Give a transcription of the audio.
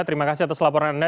terima kasih atas laporan anda